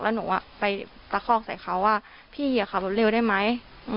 แล้วหนูไปตะคอกใส่เขาว่าพี่ขับรถเร็วได้ไหม